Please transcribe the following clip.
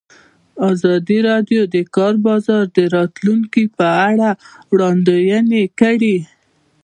ازادي راډیو د د کار بازار د راتلونکې په اړه وړاندوینې کړې.